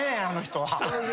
あの人は。